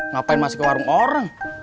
ngapain masuk ke warung orang